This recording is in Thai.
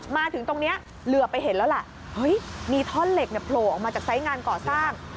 มาถึงตรงนี้เหลือไปเห็นแล้วแหละเฮ้ยมีท่อนเหล็กเนี่ยโผล่ออกมาจากไซส์งานก่อสร้าง